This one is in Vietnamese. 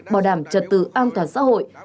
bảo đảm trật tự an toàn xã hội